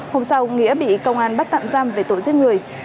hôm sau nghĩa bị công an bắt tạm giam về tội giết người